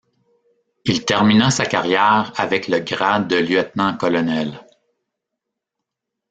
Il termina sa carrière avec le grade de lieutenant-colonel.